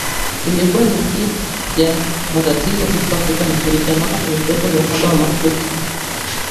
Imekuwa ni wiki ya matatizo huko Afrika Mashariki ambako kumekuwepo na uhaba wa mafuta